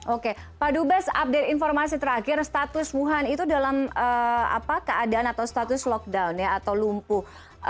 oke pak dubes update informasi terakhir status wuhan itu dalam keadaan atau status lockdown ya atau lumpuh